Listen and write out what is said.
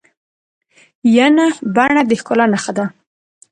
ینه بڼه د ښکلا نخښه ده.